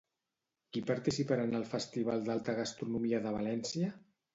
Qui participarà en el Festival d'Alta Gastronomia de València?